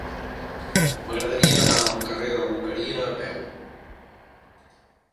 M'agradaria anar al carrer de la Boqueria a peu.